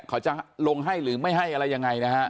เขาจะลงให้หรือไม่ให้อะไรยังไงนะฮะ